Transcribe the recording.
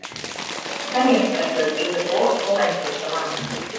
Many of the settlers either bought or rented the land.